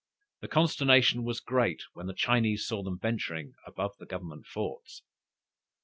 The consternation was great when the Chinese saw them venturing above the government forts.